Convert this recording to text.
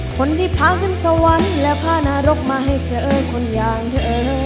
คนที่พาขึ้นสวรรค์และพานรกมาให้เจอคนอย่างเธอ